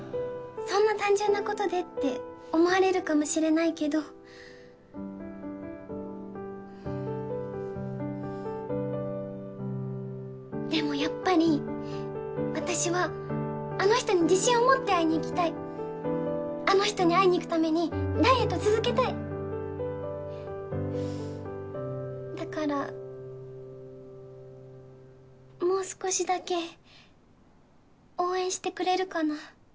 そんな単純なことでって思われるかもしれないけどでもやっぱり私はあの人に自信を持って会いに行きたいあの人に会いに行くためにダイエット続けたいだからもう少しだけ応援してくれるかな？